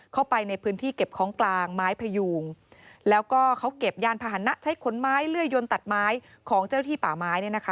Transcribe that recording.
เข้าไปในพื้นที่เก็บของกลางไม้พยูงแล้วก็เขาเก็บยานพาหนะใช้ขนไม้เลื่อยยนตัดไม้ของเจ้าหน้าที่ป่าไม้เนี่ยนะคะ